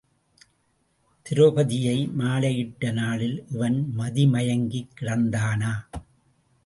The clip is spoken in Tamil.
திரெளபதியை மாலையிட்ட நாளில் இவன் மதிமயங்கிக் கிடந்தானா?